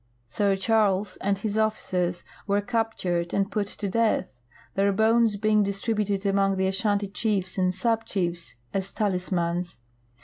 Sir Charles and liis officers were captured and put to death, their bones being distributed among the Ashanti cliiefs and sub chiefs as talismans.